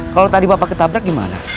kalau tadi bapak ketabrak gimana